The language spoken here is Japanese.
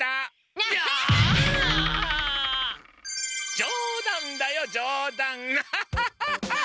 じょうだんだよじょうだん！